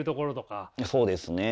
そうですね。